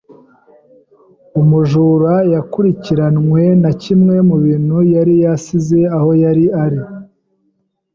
Umujura yakurikiranwe na kimwe mu bintu yari yasize aho yari ari.